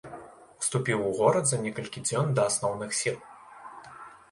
Уступіў у горад за некалькі дзён да асноўных сіл.